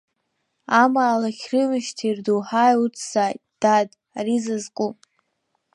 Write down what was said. Амаалықь рымышьҭеи рдоуҳаи уцзааит, дад, ари зызку.